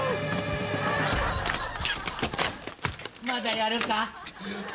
まだやるか？